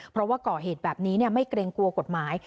เพราะว่าก่อเหตุแบบนี้ไม่เกรงกลัวกฎหมาย